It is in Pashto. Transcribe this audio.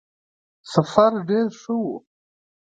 سفر ډېر ښه وو.